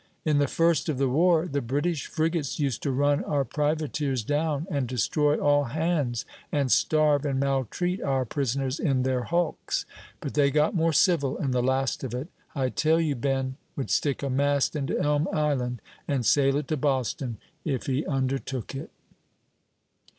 "In the first of the war the British frigates used to run our privateers down, and destroy all hands, and starve and maltreat our prisoners in their hulks; but they got more civil in the last of it. I tell you, Ben would stick a mast into Elm Island, and sail it to Boston, if he undertook it."